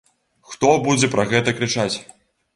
Хто будзе пра гэта крычаць?